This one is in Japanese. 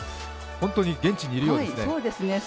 本当に現地にいるようですね。